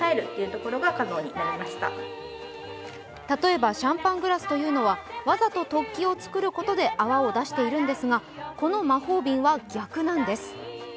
例えば、シャンパングラスというのはわざと突起を出すことで泡を出しているんですが、この魔法瓶は逆なんです。